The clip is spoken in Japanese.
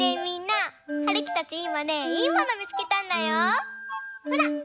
みんなはるきたちいまねいいものみつけたんだよ。ほら！